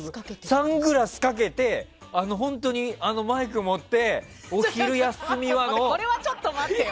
サングラスかけて本当にマイク持って「お昼休みは」のこれはちょっと待って。